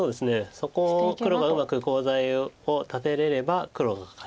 そこを黒がうまくコウ材を立てれれば黒が勝ちます。